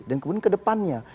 dan kemudian kedepannya